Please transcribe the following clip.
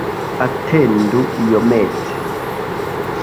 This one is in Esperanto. Atendu iomete.